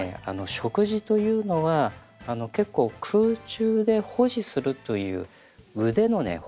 あの食事というのは結構空中で保持するという腕のね